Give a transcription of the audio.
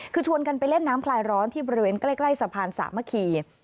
คือชวนกันไปเล่นน้ำคลายร้อนที่บริเวณใกล้สะพานสามัคคี